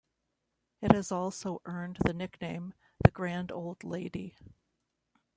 It has also earned the nickname, "The Grand Old Lady".